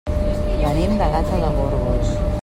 Venim de Gata de Gorgos.